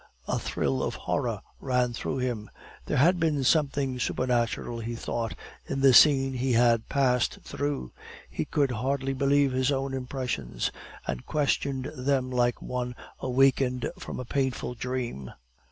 A thrill of horror ran through him; there had been something supernatural, he thought, in the scene he had passed through. He could hardly believe his own impressions, and questioned them like one awakened from a painful dream.